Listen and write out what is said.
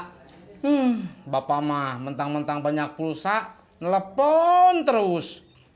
hmm bapak mah mentang mentang banyak pulsa nelpon terus